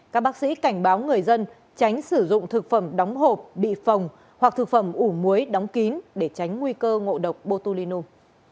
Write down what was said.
các bác sĩ cảnh báo người dân tránh sử dụng thực phẩm đóng hộp bị phòng hoặc thực phẩm ủ muối đóng kín để tránh nguy cơ ngộ độc botulinu